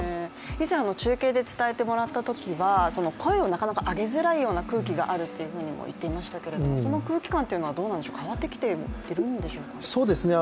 以前、中継で伝えてもらったときは声をなかなか上げづらいような空気があるっていうふうにも言っていましたけれどもその空気感というのは変わってきているんでしょうか？